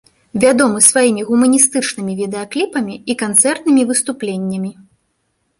Вядомы сваімі гумарыстычнымі відэакліпамі і канцэртнымі выступленнямі.